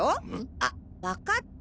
あわかった。